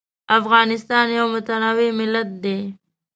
افغانستان یو متنوع ملت دی.